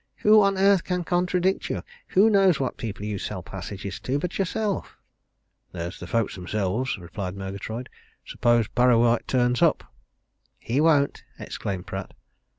"Who on earth can contradict you? Who knows what people you sell passages to but yourself?" "There's the folks themselves," replied Murgatroyd. "Suppose Parrawhite turns up?" "He won't!" exclaimed Pratt.